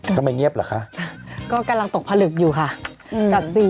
อืมก็ไม่เงียบหรอกคะก็กำลังตกผลึบอยู่ค่ะจัดสิ้นพี่